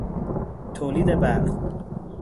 تولید برق